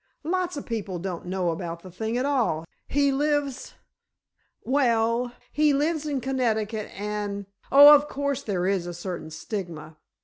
"Lots of people don't know about the thing at all. He lives—well—he lives in Connecticut—and—oh, of course, there is a certain stigma."